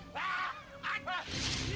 mulai kemana lu